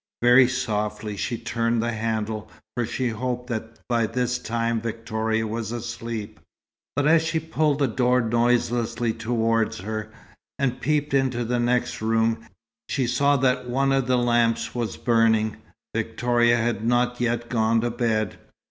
Very softly she turned the handle, for she hoped that by this time Victoria was asleep; but as she pulled the door noiselessly towards her, and peeped into the next room, she saw that one of the lamps was burning. Victoria had not yet gone to bed.